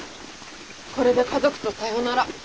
これで家族とさよなら。